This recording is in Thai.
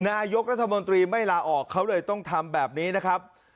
นายกรัฐมนตรีไม่ลาออกเขาเลยต้องทำแบบนี้นะครับ